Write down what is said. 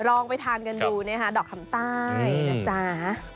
ลองไปทานกันดูนะคะดอกคำใต้นะจ๊ะ